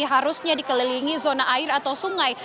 harusnya dikelilingi zona air atau sungai